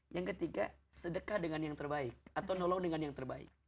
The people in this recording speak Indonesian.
yang ketiga sedekah dengan yang terbaik atau nolong dengan yang terbaik